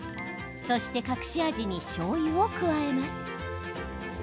そして隠し味にしょうゆを加えます。